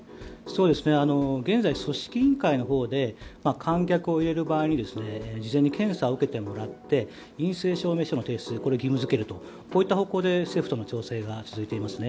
現在、組織委員会のほうで観客を入れる場合に事前に検査を受けてもらって陰性証明書の提出を義務付けるとこういった方向で政府との調整が続いていますね。